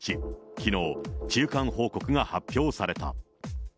きのう、中間報告が発表された。